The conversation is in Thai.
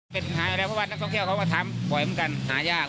เป็นหาอะไรเพราะว่านักท่องเที่ยวเขามาทำบ่อยเหมือนกันหายาก